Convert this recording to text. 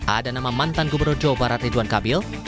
ada nama mantan gubernur jawa barat ridwan kamil